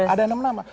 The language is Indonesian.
ada enam nama